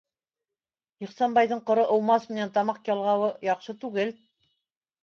Ихсанбайҙың ҡоро ыумас менән тамаҡ ялғауы яҡшы түгел.